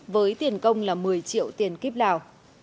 với tiền công là một mươi triệu tiền kíp lào